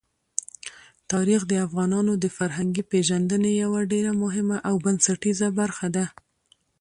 تاریخ د افغانانو د فرهنګي پیژندنې یوه ډېره مهمه او بنسټیزه برخه ده.